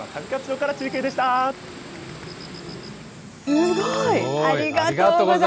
すごい。